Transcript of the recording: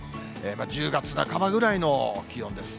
１０月半ばぐらいの気温です。